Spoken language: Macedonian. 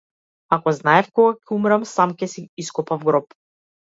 Ако знаев кога ќе умрам, сам ќе си ископав гроб.